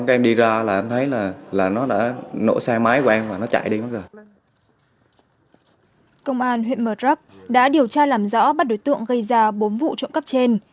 công an huyện mờ trắc đã điều tra làm rõ bắt đối tượng gây ra bốn vụ trộm cắp trên